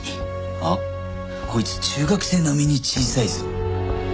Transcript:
あっこいつ中学生並みに小さいぞ？